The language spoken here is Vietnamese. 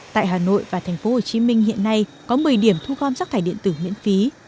tại hà nội và tp hcm hiện nay có một mươi điểm thu gom rác thải điện tử miễn phí